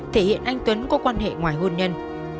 thể hiện anh tuấn có quan hệ ngoài hôn nhân